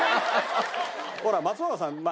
ほら松岡さん